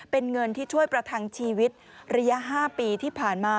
เป็นเงินที่ช่วยประทังชีวิตระยะ๕ปีที่ผ่านมา